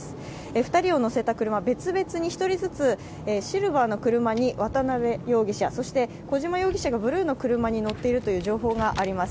２人を乗せた車、別々に１人ずつシルバーの車に渡辺容疑者、小島容疑者がブルーの車に乗っているという情報があります。